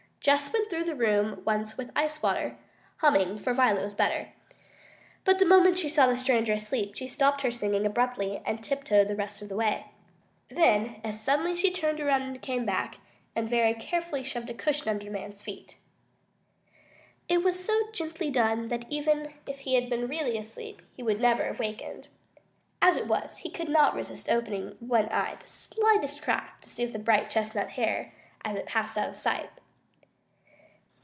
Jess went through the room once with ice water, humming, for Violet was better. But the moment she saw the stranger asleep, she stopped her singing abruptly and tiptoed the rest of the way. Then as suddenly she turned around and came back, and very carefully shoved a cushion under the man's feet. It was so gently done that even if he had been really asleep, he would never have wakened. As it was, he could not resist opening one eye the slightest crack to see the bright chestnut hair as it passed out of sight.